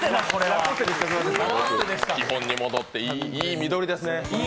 基本に戻って、いい緑ですね